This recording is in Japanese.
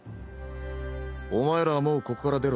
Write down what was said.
お前らはもうここから出ろ。